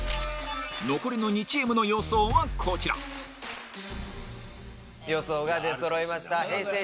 残りの２チームの予想はこちら予想が出そろいましたＨｅｙ！